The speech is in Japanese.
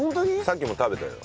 さっきも食べたよ。